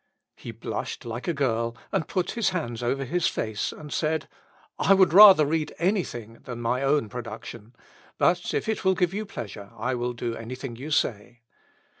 He blushed like a girl, and put his hands over his face and said: "I would rather read anything than my own production; but if it will give you pleasure I will do anything you say."